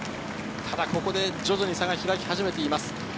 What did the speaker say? ただここで徐々に差が開き始めています。